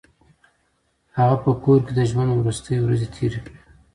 هغه په کور کې د ژوند وروستۍ ورځې تېرې کړې.